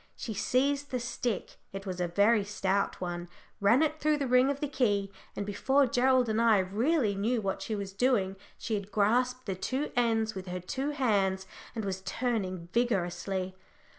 She seized the stick it was a very stout one ran it through the ring of the key, and before Gerald and I really knew what she was doing, she had grasped the two ends with her two hands, and was turning vigorously.